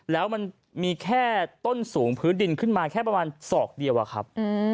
แล้วมันมีแค่ต้นสูงพื้นดินขึ้นมาแค่ประมาณศอกเดียวอะครับ